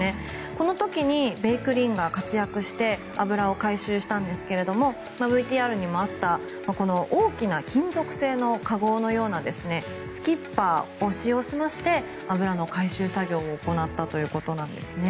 この時に「べいくりん」が活躍して油を回収したんですがＶＴＲにもあったこの大きな金属製の籠のようなスキッパーを使用しまして油の回収作業を行ったということなんですね。